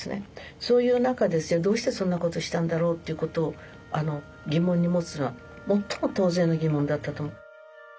そういう中でどうしてそんなことしたんだろうということを疑問に持つのは最も当然の疑問だったと思う。